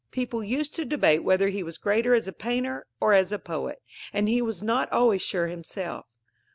People used to debate whether he was greater as a painter or as a poet, and he was not always sure himself.